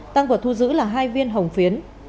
tăng vật thu giữ là hai viên hồng phiến